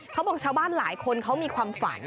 เขาบอกว่าชาวบ้านหลายคนเขามีความฝัน